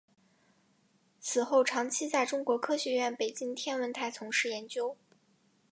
此后长期在中国科学院北京天文台从事研究。